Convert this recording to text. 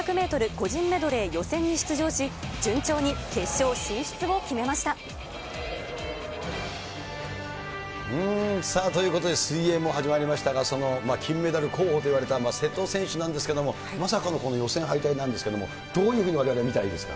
個人メドレー予選に出場し、さあ、ということで水泳も始まりましたが、金メダル候補といわれた瀬戸選手なんですけど、まさかの予選敗退なんですけれども、どういうふうにわれわれは見たらいいですか？